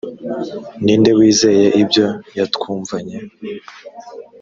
ni nde wizeye ibyo yatwumvanye